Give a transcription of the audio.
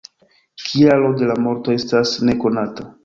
Kialo de la morto estas nekonata.